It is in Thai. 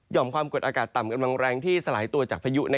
ความกดอากาศต่ำกำลังแรงที่สลายตัวจากพายุ